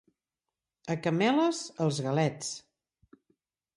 A Cameles, els galets.